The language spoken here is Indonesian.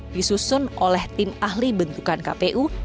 disusun oleh tim ahli bentukan kpu